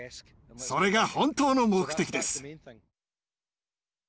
それが本当の目的です。